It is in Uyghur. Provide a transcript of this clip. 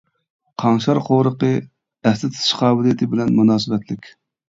قاڭشار قورۇقى: ئەستە تۇتۇش قابىلىيىتى بىلەن مۇناسىۋەتلىك.